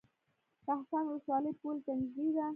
کهسان ولسوالۍ پولې ته نږدې ده؟